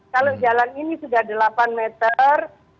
kalau jalan ini sudah delapan meter